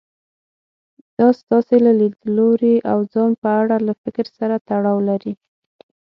دا ستاسې له ليدلوري او ځان په اړه له فکر سره تړاو لري.